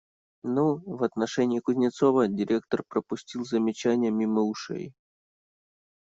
Ну, в отношении Кузнецова директор пропустил замечание мимо ушей.